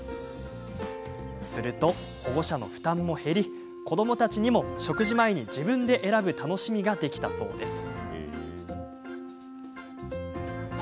すると保護者の負担も減り子どもたちにも、食事前に自分で選ぶ楽しみができたそうです。